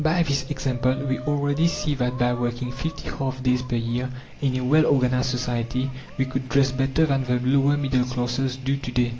By this example we already see that by working 50 half days per year in a well organized society we could dress better than the lower middle classes do to day.